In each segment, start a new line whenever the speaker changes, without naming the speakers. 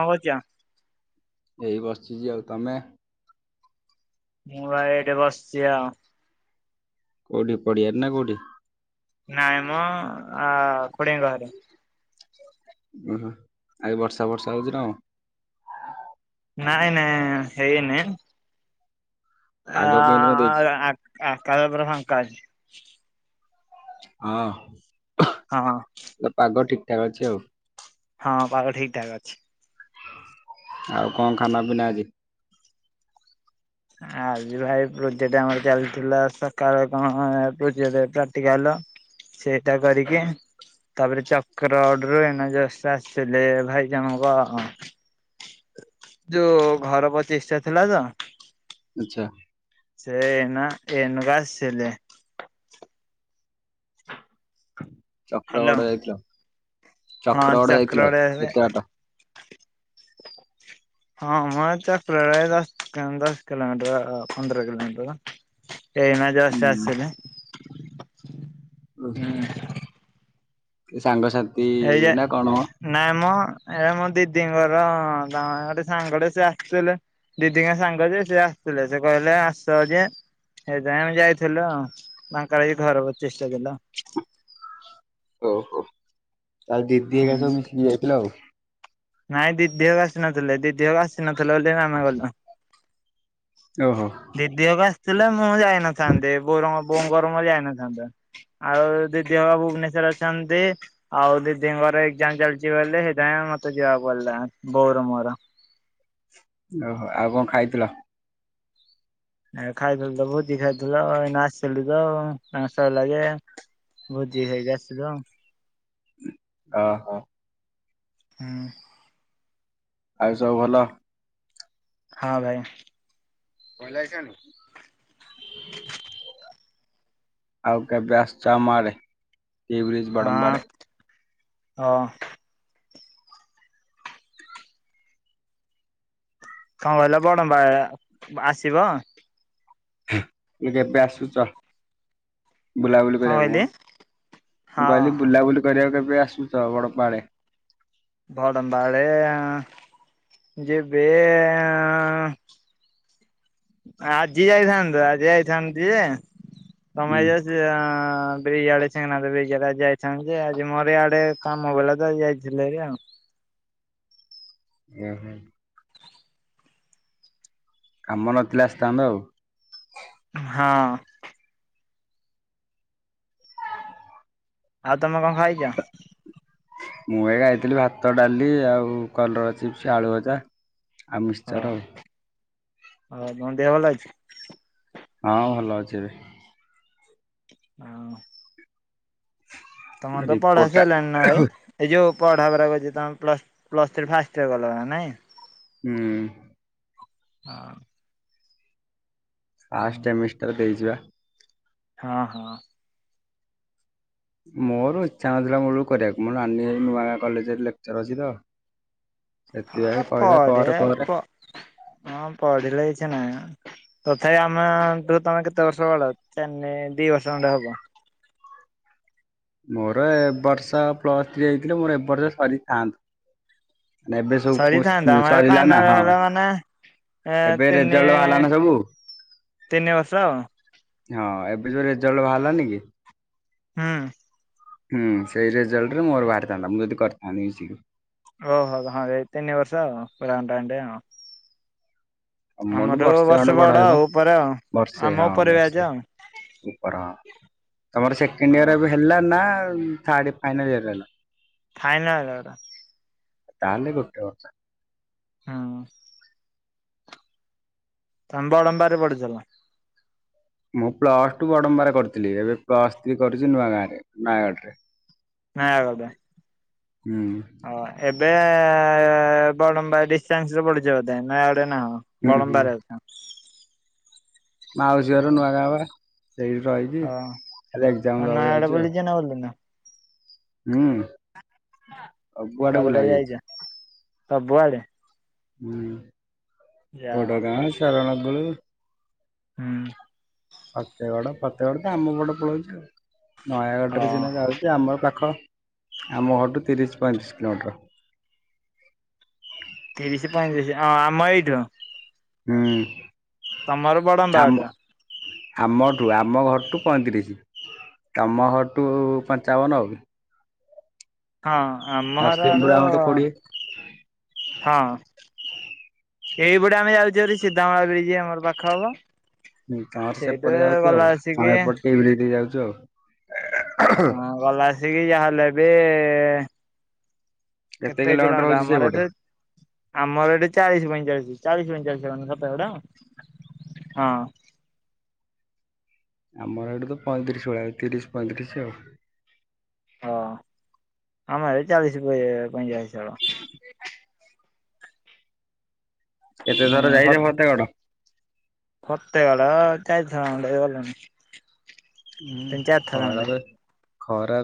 ହଁ ଆଜ୍ଞା।
ଏଇ ବସିଛି ଯେ ଆଉ ତମେ?
ମୁଁ ଏଇଠି ବସିଛି ଆଉ।
କୋଉଠି ପଡିଆାର ନା କୋଉଠି?
ନାଇଁ ମ ଖୁଡିଙ୍କ ଘରେ।
ଓହୋଃ ଆଉ ବର୍ଷା ବର୍ଷା ହଉଛି ନା ଆଉ?
ନାଇଁ ନାଇଁ ହେଇନି।
ପାଗ କେମିତି କଣ ଦେଇଛି?
[unintelligible] [inaudible]
ହଁ। ପାଗ ଠିକ୍। [unintelligible]
ହଁ ପାଗ ଠିକ ଠାକ୍ ଅଛି।
[inaudible] ଆଉ କଣ ଖାନା ପିନା ଆଜି।
ଆଜି ଭାଇ ପ୍ରଜେକ୍ଟ ଆମର ଚାଲିଥିଲା, ସକାଳେ କଣ ପ୍ରଜେକ୍ଟ ପ୍ରାକ୍ଟିକାଲ ସେଇଟା କରିକି ତାପରେ ଚକ୍ର ଅଡରେ ଏଇନା ଜଷ୍ଟ ଆସିଲି ଭାଇ ଜମକ ଯୋଉ ଘର ପ୍ରତିଷ୍ଠା ଥିଲା ତ।
[unintelligible]
ସେ ନା ଅନଙ୍କ ଆସିଲେ।
ଚକ୍ର
ହ୍ୟାଲୋ
ଗଡ଼ ଯାଇଥିଲ
ହଁ
ଚକ୍ର ଗଡ଼ ଯାଇଥିଲ,
ଚକ୍ରଡ
ଏତେ ବାଟ।
ହଁ [unintelligible] ଦଶ କିଲୋମିଟର ପନ୍ଦର କିଲୋମିଟର। ଏଇନା ଜଷ୍ଟ
ହୁଁ
ଆସିଲେ।
[unintelligible] ସାଙ୍ଗ ସାଥୀ।
ଏଇଯେ ନାଇଁ ମୋ ଏ ମୋ ଦିଦିଙ୍କର [unintelligible] ସାଙ୍ଗଟେ ସେ ଆସୁଥିଲେ ଦିଦିଙ୍କ ସାଙ୍ଗ ଯେ ସେ ଆସିଥିଲେ ସେ କହିଲେ ଆସ ଯେ ସେ ସେଇଥି ପାଇଁ ଆମେ ଯାଇଥିଲୁ ଆଉ ତାଙ୍କରି ଘର ପ୍ରତିଷ୍ଠା ଦିନ।
ଓହୋ ତା ଦିଦି ଏଗା
ହୁଁ
ସବୁ ମିଶିକି ଯାଇଥିଲ ଆଉ ।
ନାଇଁ ଦିଦିହଗା ଆସିନଥିଲେ ଦିଦିହଗା ଆସିନଥିଲେ ବୋଲି ଆମେ ଗଲୁ।
ଓହୋ
ଦିଦି ହଗା [unintelligible] ମୁଁ ଯାଇନଥାନ୍ତି ବଉ ର ବୋଉଙ୍କର ମୋର ଯାଇନଥା ନ୍ତୀ । [unintelligible] ଆଉ ଦିଦି ଗା ଭୁବନେଶ୍ୱରେ ଅଛନ୍ତି ଆଉ ଦିଦିଙ୍କର ଏକ୍ଜାମ ଚାଲିଛି ବୋଲି ସେଇଥିାଇଁ । [unintelligible] ବୋଉ ର ମୋର
ଓହୋ, ଆଉ କଣ ଖାଇଥିଲ।
ଆଉ ଖାଇଥିଲୁ ତ ଭୋଜି ଖାଇଥିଲ ଏଇନା ଆସିଲୁ ତ ତାଙ୍କ ସରିଲା ଯେ ଭୋଜି ଖାଇକି ଆସିଲୁ।
ଓ ହୋ
ହୁଁ
ଆଉ ସବୁ ଭଲ ।
ହଁ ଭାଇ ଭଲ ହେଇଚନି ।
[inaudible] ଆଉ କେବେ ଆସୁଛ ଆମ ଆଡ଼େ । [unintelligible]
ଓଁ କଣ କହିଲ ବଡମ୍ବା ଆସିବ।
[unintelligible] ଯବେ ଆସୁଛ। । ବୁଲାବୁଲି
କଣ
କରିବାକୁ ମ
କହିଲି
ମୁଁ
ହଁ
କହିଲି
ହଁ
ବୁଲାବୁଲି କରିବାକୁ କେବେ ଆ । ଶ ତ ବଡ଼ ପାଡେ [unintelligible]
ବଡମ୍ବା ଆଡେ ଯିବେ ଆଜି ଯାଇଥାନ୍ତି ଆଜି ଯାଇଥାନ୍ତି ଯେ ତମେ
ହୁଁ
ବ୍ରିଜ ଆଡେ ବ୍ରିଜ ଆଡେ ଆଜି ଯାଇଥାନ୍ତ ଯେ ଆଜି ମୋର ଇଆଡ଼େ କାମ ପଡିଲା ତ ଯାଇଥିଲେ ଭାରି ଆଉ।
ଓହୋ କାମ ନଥିଲେ ଆସିଥାନ୍ତ ଆଉ।
ହଁ, ଆଉ ତମେ କଣ ଖାଇଛ?
ମୁଁ ଏଇ ଖାଇଥିଲି ଭାତ ଡାଲି ଆଉ କଲର ଚିପସ ଆଳୁ ଭଜା। ଆଉ ମିକ୍ସଚର ଆଉ।
ଆଉ ତମ ଦେହ ଭଲ ଅଛି।
ହଁ ଭଲ ଅଛି ଏବେ।
[unintelligible] ତମର ତ ପଢା
ରିପୋର୍ଟ
ସରିଲାଣି ନା
ଟା
ଭାଇ
ହୁଁ
ଏଇ ଯୋଉ ପଢା ଗୁ୍ରା ଅଛି ତମେ plus plus three first year କଲ ନା ନାଇଁ?
ହୁଁ
ହଁ
ଫାଷ୍ଟ ସେମିଷ୍ଟର ଦେଇଛି ପା।
ହଁ ହଁ
ମୋର ଇଚ୍ଛା ନଥିଲା ମୁଳୁରୁ କରିବାକୁ ମୋ ନାନୀ ନୂଆ କଲେଜରେ ଲେକ୍ଚର ଅଛି ତ ସେଥିପାଇଁ
ହଁ
କହିଲା କର
ପଢିବା
କର
ହଁ ପଢିଲେ କିଛି ନା ତଥାପି ଆମ ତମେ କେତେ ବର୍ଷ ବଡ ତିନିଦି ବର୍ଷ ଖଣ୍ଡେ ହବ?
ମୋର ଏବ ବର୍ଷ ପ୍ଲସ ଥ୍ରୀ ହେଇଥିଲେ ମୋର ଏବ ବର୍ଷ ସରିଥାନ୍ତା। ଏବେ ସବୁ
ସରିଥାନ୍ତା ଆମର
ସରିଲା ନା
ଫାଇନାଲ
ହଁ
ହେଲା ମାନେ
ଏବେ
ତିନି
ରେଜଲ୍ଟ ବାହାରିଲା ନା ସବୁ।
ତିନି ବର୍ଷ ଆଉ।
ହଁ ଏବେ ଯୋଉ ରେଜଲ୍ଟ ବାହାରିଲାନି କି?
ହୁଁ
ହୁଁ ସେଇ ରେଜଲ୍ଟ ରେ ମୋର ବାହାରିଥାନ୍ତା ମୁଁ ଯଦି କରିଥାନ୍ତା ମିଶିକି।
ଓ ହୋ ହଉ ତିନି ବର୍ଷ
ତମଠୁ
ଆମଠୁ
ବର୍ଷେ ଖଣ୍ଡେ ବଡ ହେବ
ଆଉ ଉପରେ ଆଉ
ବର୍ଷେ
ଆମ
ହଁ
ଉପରେ ବ୍ୟାଚ୍
ବର୍ଷେ
ଆଉ
ଉପର ହଁ ତମର ସେକେଣ୍ଡ ଏୟର
ହଉ।
ଏବେ ହେଲା ନା ଥଡେ ଫାଇନଲ ଇୟର ହେଲା?
ଫାଇନାଲ ହେଲା।
ତା ହେଲେ ଗୋଟେ ବର୍ଷ।
ହଁ ତମେ ବଡ଼ମ୍ବାରେ ପଢୁଥିଲ?
ମୁଁ ପ୍ଲସ ଟୁ ବଡମ୍ବା ରେ କରିଥିଲି ଏବେ ପ୍ଲସ ଥ୍ରୀ କରିୁଛି ନୂଆ ଗାଁ ରେ ନୟାଗଡ ରେ।
ନୟାଗଡ ରେ।
ହୁଁ
ଏବେ ବଡମ୍ବା ଡିସାନ୍ସ ରେ ପଡୁଛି ବୋଧେ ନା ହଁ
ହୁଁ
ବଡମ୍ବା
ହୁଁ
ରେ ଅଛ।
ମାଉସୀ ଘର ନୂଆ ଗାଁ ବା ସେଇଠି ରହିଛି
ହଁ
ଖାଲି ଏକ୍ଜାମ ଦବା
ନୟାଗଡ
ଯାଉଛି ଆଉ।
ବୁଲିଛ ନା ବୁଲିନ?
ହୁଁ ଆଉ କୁଆଡେ ବୁଲା ହେଇଛି ଆଜି?
ସବୁଆଡେ।
ହୁଁ।
ଯାହା
ବଡ
ହଉ
ଗାଁ ଶାରାଳା ଦେ
ହୁଁ।
ଫତେଗଡ ଫତେଗଡ ତ ଆମ ପଟେ ପଳଉଛି ଆଉ। ନୟାଗଡ଼ରେ
ହଁ
ସିନା ଯାଉଛି ଆମର ପାଖ। ଆମ ଘରଠୁ ତିରିଶ ପଇଁତିରିଶ କିଲୋମିଟର।
ତିରିଶ ପଁଇତିରିଶ ହଁ ଆମ ଏଇଠୁ।
ହୁଁ।
ତମର ବଡ଼ମ୍ବା
ଆମ
ଟା।
ଆମଠୁ ଆମ ଘରଠୁ ପଇଁତିରିଶ। ତମ ଘରଠୁ ପଞ୍ଚାବନ ଆଉ।
ହଁ ଆମ ଘର ଆଡୁ
ନରସିଂହପୁର ଆମଠୁ କୋଡିଏ।
ହଁ। ଏଇପଟେ ଆମେ ଯାଉଛେ ଭାରି ସିଧାମା ବ୍ରିଜ ଆମର ପାଖ ହବ।
ହୁଁ ତମର
ସେଇଠୁ
ସେପଟେ ଯାଉଛ
ଗଲା
ଆଉ ତ
ଆସିକି
ଏପଟେ ଟିଇରି ଦେଇ ଯାଉଛୁ ଆଉ।
ହଁ ଭଲ ଆସିକି ଯାହେଲେ ବି ଏ। କେତେ କିଲୋମିଟର ଆମର ଏଠୁ ଆମ ଏଠୁ ଚାଳିଶ ପଇଁଚାଳିଶ। ଚାଳିଶ ପଈଚଳିଶି ମିନିଟ ଆସିବନି ସତ ଗଡ଼? ହଁ।
ଆମର ଏଇଠି ତ ପଇଁତିରିଶ ଭଳିଆ ତିରିଶ ପଇଁତିରିଶ ଆଉ।
ହଁ ଆମ ଏ ଚାଳିଶ ପଇଁଚାଳିଶ ହେବ।
କେତେ ଥର ଯାଇଛ ଫତେ ଗଡ଼?
ଫତେ ଗଡ଼ ଯାଇଥାନ୍ତ ଗଲଣି।
ହୁଁ ଖରାରେ ଖରା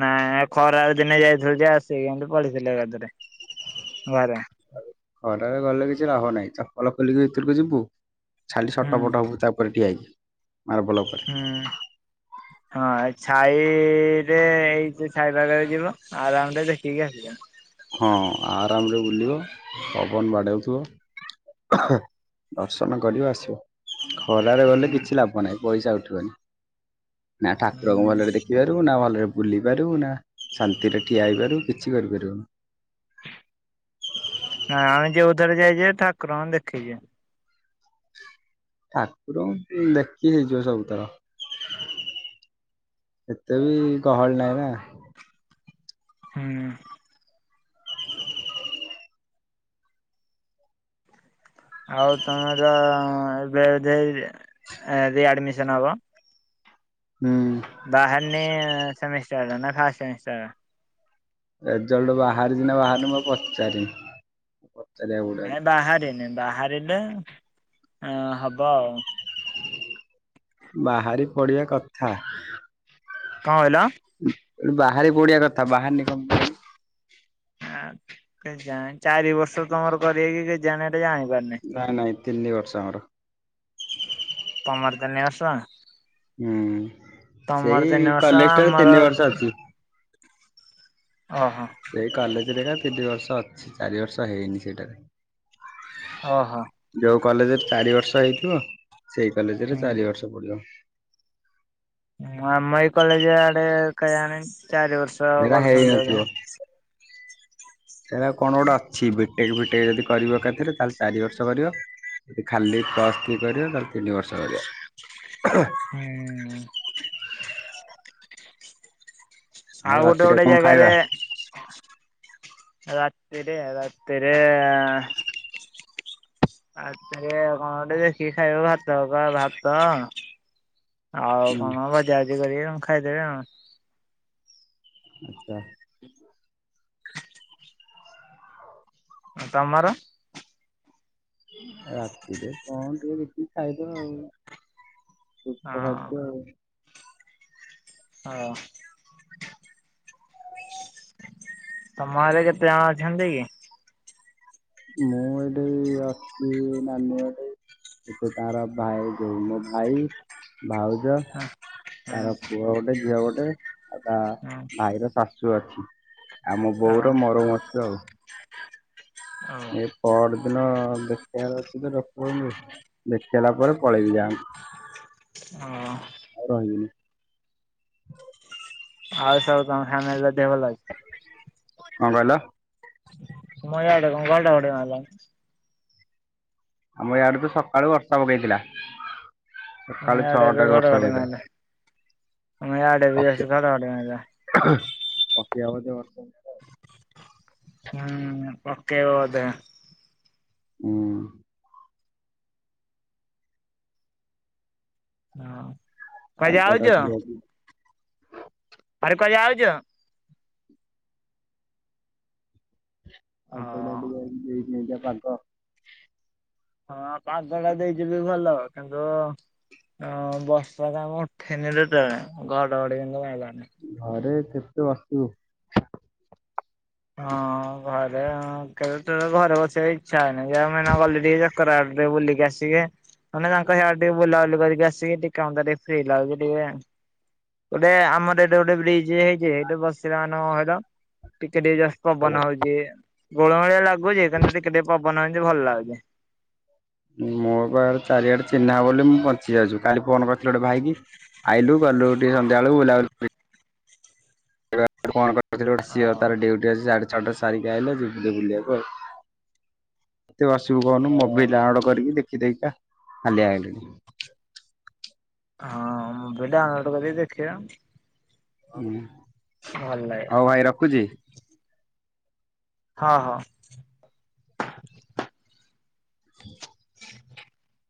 ନାଇଁ ଖରା ଦିନେ ଯାଇଥିଲୁ ଯେ ଆସି ଏମତି ପଡ଼ିଥିଲେ ଗଦି ରେ ଘରେ।
ଖରାରେ ଗଲେ କିଛି ଲାଭ ନାହିଁ ଚପଲ ଖୋଲିକି ଭିତରକୁ ଯିବୁ ଖାଲି
ହୁଁ
ଛଟପଟ ହବୁ ତା ପରେ ଠିଆ ହେଇକି। ମାର୍ବଲ ଉପରେ।
ହୁଁ। ହଁ ଛାଇରେ ଏଇ ଯୋଉ ଛାଇପାଗରେ ଯିବ ଆରାମ ଦେଖିକି ଆସିବ।
ହଁ ଆରାମରେ ବୁଲିବ ପବନ ବାଡ଼ଉଥିବ ଦର୍ଶନ କରିବ ଆସିବ। ଖରାରେ ଗଲେ
ହୁଁ
କିଛି ଲାଭ ନାହିଁ। ପଇସା ଉଠିବନି। ନା ଠାକୁରଙ୍କୁ
ହୁଁ
ଭଲରେ ଦେଖି ପାରିବ ନା ଭଲରେ ବୁଲି ପାରୁିବୁ ନା ଶାନ୍ତିରେ ଠିଆ ହେଇପାରିବୁ କିଛି କରିପାରିବୁନି।
ନା ଆମେ ଯଉଥର ଯାଇଛେ ଠାକୁରଙ୍କୁ ଦେଖିଛି।
ଠାକୁର ଦେଖିକି ହେଇଯିବ ସବୁଥର ଏତେ ବି ଗହଳି ନାହିଁ ନା ।
ହୁଁ। ଆଉ ତମର [unintelligible] [unintelligible] ନା
ହୁଁ।
ଫାର୍ଷ୍ଟ ସେମିଷ୍ଟର
ରେଜଲ୍ଟ ବାହାରିଛି ନା ବାହାରନି ମୁଁ ଆଉ ପଚଚାରିନି।
ଏଇ ବାହାରେ। ବାହାରିଲେ ଅଁ ହବ ଆଉ।
ବାହାରି ପଡିବା କଥା।
କଣ କହିଲ?
ବା ବାହାରି ପଡ଼ିବା କଥା ବାହାରିନି କଣ ପାଇଁ
ଆଁ କେ ଜାଣେ ଚାରି ବର୍ଷ ତମର କରିକି କେ ଜାଣେ ସେ ଯାଣି ପାରୁନି।
ତିନିବର୍ଷ ଆମର।
ମୋର ତିନି ବର୍ଷ
ହୁଁ
ତମର
ସେଇ
ତିନି ବର୍ଷ
କଲେଜ ଟାାରେ
ଆମର
ତିନି ବର୍ଷ ଅଛି।
ଓହୋ
ସେଇ କଲେଜ ରେ ଏରାତ ତି ଦି ବର୍ଷ ଅଛି ଚାରି ବର୍ଷ ହେଇନି ସେଇଟା।
ଓହୋ।
କଲେଜରେ ଚାରି ବର୍ଷ ହେଇଥିବ। ସେଇ କଲେଜ ରେ
ହୁଁ।
ଚାରି ବର୍ଷ ପଡିବ।
ଉଁ ଆମ ଏଇ କଲେଜ୍ ଆଡେ କେଇଆଣି। ଚାରି ବର୍ଷ
ହେରା
ବରସନ ଦେବେ।
ସେଇଟା କଣ ଗୋଟେ ଅଛି ବେ ଦେଖ ବିଟେକ ଯଦି କରିବ ଏକାଥିରେ ତାହେଲେ ଚାରି ବର୍ଷ କରିବ ଯଦ ଖାଲି ପ୍ଲସ୍ ଥ୍ରି କରିବେ ତାହାଲେ ତିନି ବର୍ଷ ରହିବ।
ହୁଁ ଆଉ ଗୋଟେ
ରାତିରେ
ଗୋଟେ
କଣ
ଜାଗାରେ
ଖାଇବା?
ରାତିରେ ରାତିରେ ରାତିରେ କଣ ଗଟେ ଦେଖିକି ଖାଇବ ଭାତ କ ଭାତ ଆଉ
ହୁଁ
କଣ ବଜା ବାଜି କରିବି ଆଉ। ଖାଇଦେବେ ଆଉ।
ଆଚ୍ଛା।
ତମର?
ରାତିରେ କଣ? ସବୁ ବିକିକି ଖାଇଲ ଆଉ। ସୂକ୍ଷ୍ମ
ହଁ
ଖାଦ୍ୟ ଆଉ।
ହଁ। [inaudible] ତମ ଆଡେ କେତେ ଜଣ ଅଛନ୍ତି କି।
ମୁଁ ଏଠି ଅଛି ନାନୀ ଘଟି ଏଠି ତାର ଭାଇ ଯୋଉ ମୋ ଭାଇ। ଭାଉଜ
ହଁ ହଁ
ତାର ପୁଅ ଗୋଟେ ଝିଅ ଗୋ ଟେ ଆଉ ତା ଭାଇର ଶାଶୁ ଚୁଆକ୍ଷୀ। ଆମ
ହଁ
ବୋଉର ମୋର ମତ ତ ଆଉ।
ଓ
ଏ ପଅର ଦିନ ଦେଖିବାର ଅଛି ତ ର ଦେଖେଇଲା ପରେ ପଳେଇବି ଗାଁକୁ।
ହଁ।
ଆଉ [inaudible]
ଆଉ ସବୁ ତମ ଫାମିଲ ର ଦେହ ଭଲ ଅଛି।
କଣ କହିଲ।
ଆମ ଇଆଡ଼େ କଣ ଘଡ ଘଡି ମାରିଲାନି।
ଆମ ଇଆଡେ ତ ସକାଳୁ ବର୍ଷା ପକେଇଥିଲା।
ଆମ
ସକାଳୁ
ଇଆଡେ ଏବେ
ଛଅଟାରୁ ବର୍ଷା
ଘଡଘଡି
ପକେଇଥିଲା।
ମାଇଲା। ଆମ ଆଡେ ବି
ପକେ
ଏସି ଘଡ ଘଡି ମାଇଲା।
ପକେଇବ ବଧେ ବର୍ଷା ଫର୍ଷା ଆଉ।
ହୁଁ ପକେଇବ ବଧେ।
ହୁଁ।
ହଁ। କୁଆଡେ ଯାଉଚ
ପାଗଟା ଠିକ ଅଛି।
ଆରେ କୁଆଡ଼େ ଯାଉଚ। ଅ
ପାଗଟା ଟିକେ ଆଜି ଦେଇଚି ଏନ୍ତିଆ। ପାଗ।
ହଁ ପାଗ ଟା ଦେଇଚି ବି ଭଲ। କିନ୍ତୁ ଅ ବର୍ଷା ତ ଆମ ଉଠେନି ଯେତେବେଳେ ଘଡଘଡି କିନ୍ତୁ ମାଇଲା
ଘରେ କେତେ ବସିବୁ।
ହଁ ଘରେ କେବେ ତ ଘରେ ବସିବା ଇଚ୍ଛା ହଉନି। ଯଉ ମାନେ ଗଲେ ଟିକେ ସେକର ଆଡେ ଟିକେ ବୁଲିକି ଆସିକି ମାନେ ତାଙ୍କ ସେଆଡ ଟିକେ ବୁଲାବୁଲି କରିକି ଆସିକି ଟିକେ କମତ ଟିକେ ଫ୍ରି ଲାଗୁଛି ଟିକେ। ଗୋଟେ ଆମର ଏଇଟା ଗୋଟେ ବ୍ରିଜ୍ ହେଇ ଏଇଟୁ ବସିିଲା ମାନେ କଣ କହିଲ। ଟିକେ ଟିକେ ଜଷ୍ଟ
ହେଲା
ପବନ ହଉଛି। ଗୋଳମାଳିଆ ଲାଗ ଗୁଚି ତ ଟିକେ ଟିକେ ପବ୍ ବନ ହଉଛି ଭଲ ଲାଗୁଛି।
ମୋ ପା ଚାରିଆଡେ ଚିହ୍ନାବ ବୋଲି ମୁଁ ବଞ୍ଚି ଯାଉଛି। କାଲି ଫୋନ କରିଥିଲି ଗୋଟେ ଭାଇକି ଆଇଲୁ ଗଲୁ ଟିକେ ସନ୍ଧ୍ୟା ବେଳକୁ ବୁଲାବୁଲି। [unintelligible] [unintelligible] ଚାରଟା
ହଁ
ସାରିକି ଆଇିଲୁ। ବୁଲିବାକୁ ଗଲୁ।
ହଁ
[unintelligible] [unintelligible]
ହଁ ମୋବାଇଲରେ ଡାଉନଲୋଡ କରି ଦେଖିବା।
ହୁଁ,
ଭଲ ଲାଗିବ
ହଉ ଭାଇ ରଖୁଛି।
ହଁ, ହଁ।
[inaudible]
[inaudible]